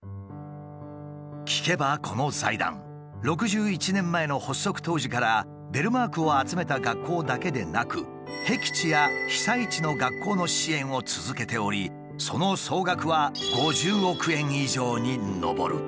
聞けばこの財団６１年前の発足当時からベルマークを集めた学校だけでなくへき地や被災地の学校の支援を続けておりその総額は５０億円以上に上る。